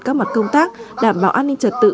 các mặt công tác đảm bảo an ninh trật tự